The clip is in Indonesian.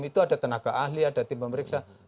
itu ada tenaga ahli ada tim pemeriksa